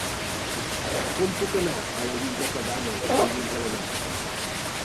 Com puc anar a la Guingueta d'Àneu dilluns a la nit?